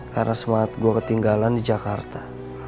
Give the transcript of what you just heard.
karena semangat gue ketinggalan di jakarta